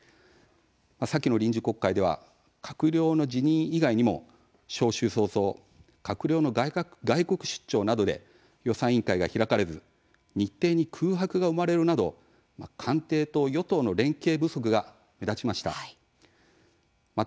先の臨時国会では閣僚の辞任以外にも召集早々閣僚の外国出張などで予算委員会が開かれず日程に空白が生まれるなど官邸と与党の連携不足が目立ちました。